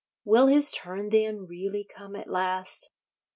Will his turn, then, really come at last?